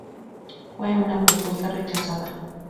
Fue una propuesta rechazada.